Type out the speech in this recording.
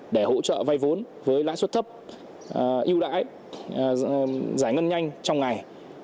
để hỗ trợ vay vốn với lãi suất thấp yêu đãi giải ngân nhanh trong ngày